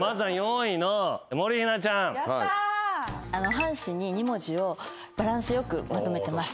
半紙に２文字をバランス良くまとめてます。